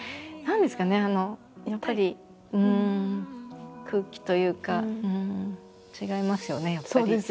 何ですかねあのやっぱり空気というか違いますよねやっぱり。